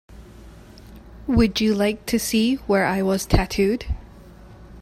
Would you like to see where I was tattooed?